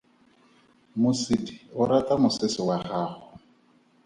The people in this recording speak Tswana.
Mosidi o rata mosese wa gago.